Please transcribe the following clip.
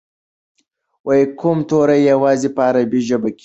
کوم توري یوازې په عربي ژبه کې شته؟